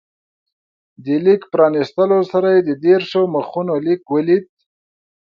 د لیک پرانستلو سره یې د دېرشو مخونو لیک ولید.